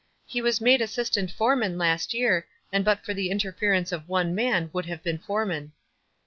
He was made assistant foreman last year, and but for the inter ference of one man would have been foreman."